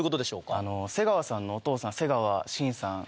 あの瀬川さんのお父さん瀬川伸さん